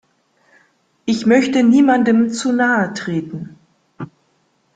Ich möchte niemandem zu nahe treten.